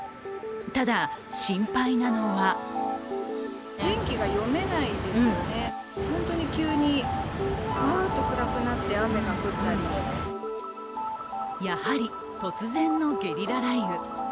ただ心配なのはやはり突然のゲリラ雷雨。